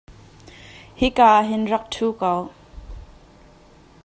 Hika ah hin rak ṭhu ko.